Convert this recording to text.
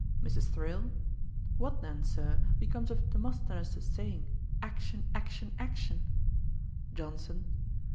MRS. THRALE. 'What then, Sir, becomes of Demosthenes's saying? "Action, action, action!"' JOHNSON.